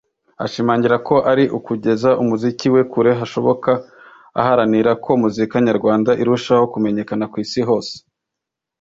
ashimangira ko ari ukugeza umuziki we kure hashoboka aharanira ko muzika nyarwanda irushaho kumenyakana ku Isi hose